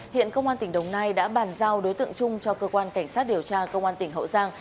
hiện công an tỉnh đồng nai đã bàn giao đối tượng trung cho cơ quan cảnh sát điều tra công an tỉnh hậu giang